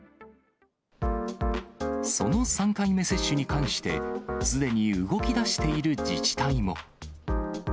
その３回目接種に関して、すでに動きだしている自治体も。